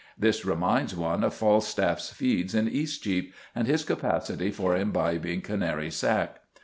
This reminds one of Falstaff's feeds in Eastcheap and his capacity for imbibing Canary sack.